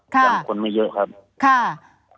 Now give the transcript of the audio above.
ยังคนไม่เยอะครับ